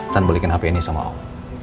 dan balikin hp ini sama om